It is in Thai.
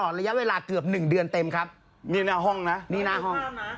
ระยะเวลาเกือบหนึ่งเดือนเต็มครับนี่หน้าห้องนะนี่หน้าห้อง